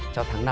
cho tháng năm